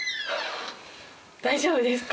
大丈夫ですか？